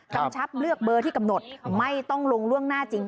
กำชับเลือกเบอร์ที่กำหนดไม่ต้องลงล่วงหน้าจริง